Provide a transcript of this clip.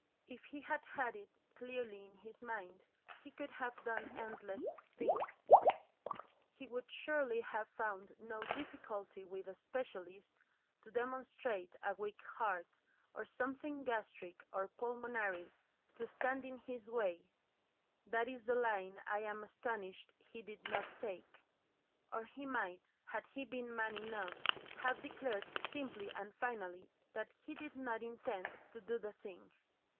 If he had had it clearly in his mind he could have done endless things. He would surely have found no difficulty with a specialist to demonstrate a weak heart, or something gastric or pulmonary, to stand in his way that is the line I am astonished he did not take, or he might, had he been man enough, have declared simply and finally that he did not intend to do the thing.